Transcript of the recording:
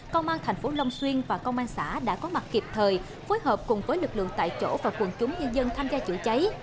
công an thành phố long xuyên và công an xã đã có mặt kịp thời phối hợp cùng với lực lượng tại chỗ và quần chúng nhân dân tham gia chữa cháy